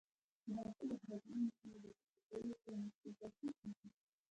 د حاصل د خرابېدو مخنیوی د ذخیره کولو په مناسب ځای کې کېږي.